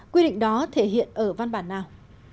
quy định đó thể hiện ở văn bản nào